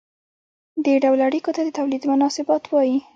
دې ډول اړیکو ته د تولید مناسبات وايي.